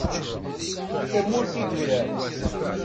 Tamurt idurar.